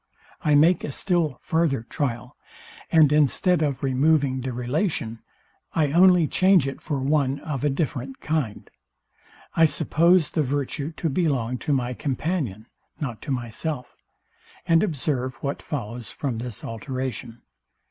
I make a still farther trial; and instead of removing the relation, I only change it for one of a different kind. I suppose the virtue to belong to my companion, not to myself; and observe what follows from this alteration.